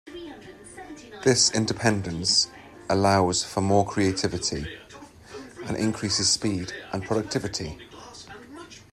This independence allows for more creativity, and increases speed and productivity.